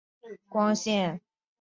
治所在光迁县。